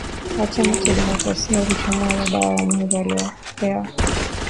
Wa chama cha demokrasia walitumia muda wao mwingi waliopewa